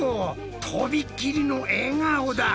とびきりの笑顔だ！